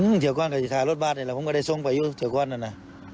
อื้อเฉยกว้างก็จะสาวรถบ้านแบบนี้แล้วผมก็ได้ทรงไปอยู่เฉยกว้างนั่นนะ